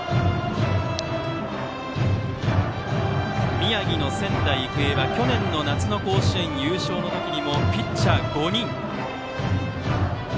宮城の仙台育英は去年の夏の甲子園優勝の時にもピッチャー５人。